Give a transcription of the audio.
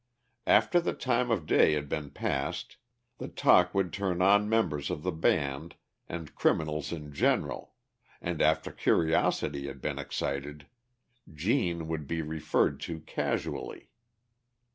After the time of day had been passed, the talk would turn on members of the band and criminals in general, and after curiosity had been excited, "Gene" would be referred to casually.